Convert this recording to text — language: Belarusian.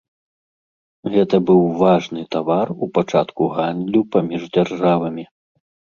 Гэта быў важны тавар у пачатку гандлю паміж дзяржавамі.